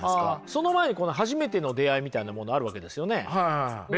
その前に初めての出会いみたいなものあるわけですよね？